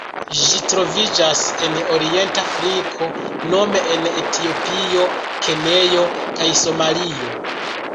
Ĝi troviĝas en Orienta Afriko nome en Etiopio, Kenjo kaj Somalio.